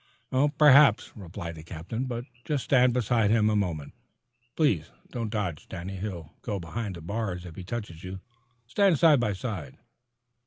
"Perhaps," replied the captain. "But just stand beside him a moment, please. Don't dodge, Danny. He'll go behind the bars if he touches you. Stand side by side."